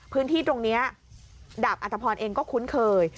พื้นที่ตรงนี้ดาบอัตภพรเองก็คุ้นเคย